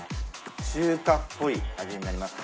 中華っぽい味になります。